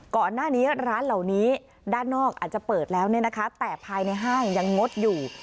ก่อนหน้านี้ร้านเหล่านี้ด้านนอกอาจจะเปิดแล้วเนี่ยนะคะแต่ภายในห้างยังงดอยู่